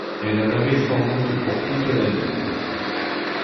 Elle en avait sans doute pour toute la nuit.